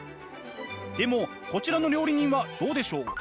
でもこちらの料理人はどうでしょう？